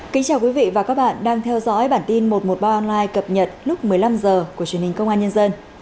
kính chào quý vị và các bạn đang theo dõi bản tin một trăm một mươi ba online cập nhật lúc một mươi năm h của truyền hình công an nhân dân